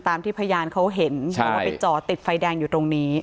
ตามที่พยานเขาเห็นว่าไปจอดติดไฟแดงอยู่ตรงนี้